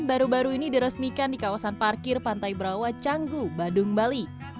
baru baru ini diresmikan di kawasan parkir pantai berawa canggu badung bali